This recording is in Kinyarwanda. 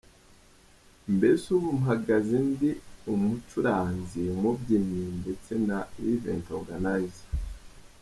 Mbese ubu mpagaze ndi umucuranzi, umubyinnyi ndetse na Event Organizer.